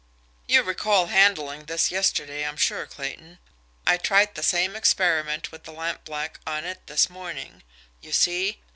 "You recall handling this yesterday, I'm sure, Clayton. I tried the same experiment with the lampblack on it this morning, you see.